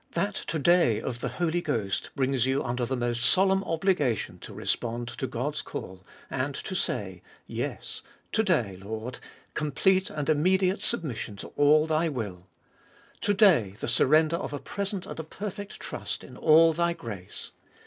That To day of the Holy Ghost brings you under the most solemn obligation to respond to God's call, and to say, Yes, To day, Lord, complete and immediate submission to all Thy will ; To day, the surrender of a present and a perfect trust in all Thy grace.